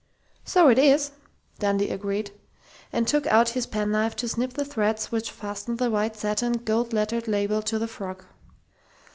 "So it is!" Dundee agreed, and took out his penknife to snip the threads which fastened the white satin, gold lettered label to the frock.